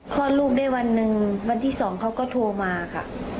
คลอดลูกได้วันหนึ่งวันที่๒เขาก็โทรมาค่ะ